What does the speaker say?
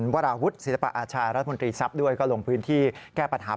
วราวุฒิศิลปะอาชารัฐมนตรีทรัพย์ด้วยก็ลงพื้นที่แก้ปัญหา